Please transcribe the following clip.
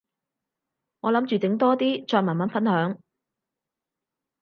我諗住整多啲，再慢慢分享